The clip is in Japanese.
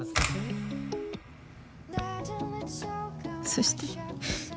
そして｛